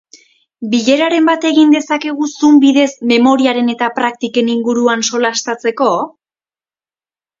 Bileraren bat egin dezakegu zoom bidez memoriaren eta praktiken inguruan solastatzeko?